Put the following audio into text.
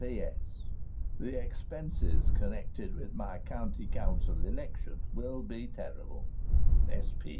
"P.S. The expenses connected with my County Council election will be terrible.